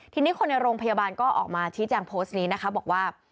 ทีนี้คนในโรงพยาบาลก็ออกมาชี้แจงโพสต์นี้นะคะบอกว่า